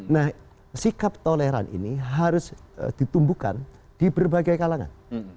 nah sikap toleran ini harus ditumbuhkan di berbagai kalangan